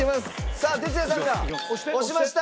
さあ鉄矢さんが押しました！